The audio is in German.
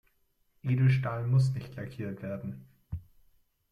Edelstahl muss nicht lackiert werden.